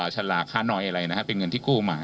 ฉลากค่าน้อยอะไรนะครับเป็นเงินที่กู้มา